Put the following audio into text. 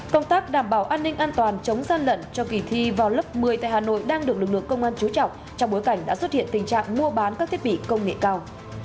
công tác đảm bảo an ninh an toàn chống gian lận cho kỳ thi vào lớp một mươi tại hà nội đang được lực lượng công an chú trọng trong bối cảnh đã xuất hiện tình trạng mua bán các thiết bị công nghệ cao